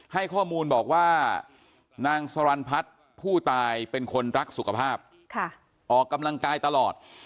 ให้ข้อมูลบอกว่านางสรรพัฒน์ผู้ตายเป็นคนรักสุขภาพออกกำลังกายตลอด